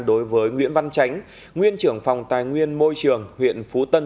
đối với nguyễn văn tránh nguyên trưởng phòng tài nguyên môi trường huyện phú tân